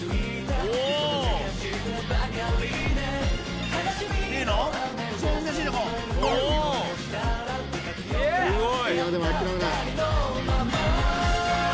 おっすごい！